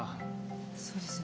そうですよね。